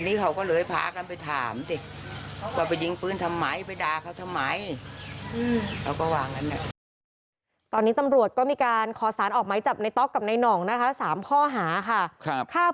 เหมือนน้ายทั้งวันยิงขึ้นฟ้า